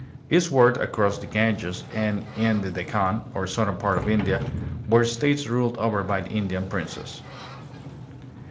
Eastward across the Ganges and in the Dekkan, or southern part of India, were states ruled over by Indian princes.